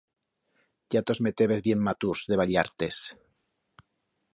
Ya tos metébez bien maturs de ballartes.